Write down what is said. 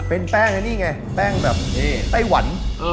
เป็นแป้งแล้วนี่ไงแป้งแบบไต้หวัน